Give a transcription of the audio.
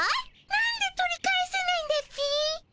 なんで取り返せないんだっピ？